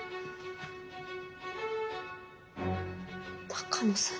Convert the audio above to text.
鷹野さん